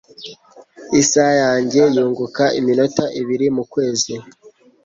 Isaha yanjye yunguka iminota ibiri mukwezi.